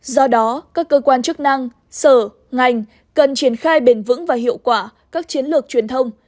do đó các cơ quan chức năng sở ngành cần triển khai bền vững và hiệu quả các chiến lược truyền thông